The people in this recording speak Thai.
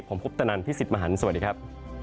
ผมพุทธนันทร์พี่สิทธิ์มหันตร์สวัสดีครับ